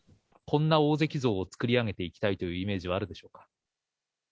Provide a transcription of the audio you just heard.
こんな大関像を作り上げていきたいというイメージはあるんでしょうか。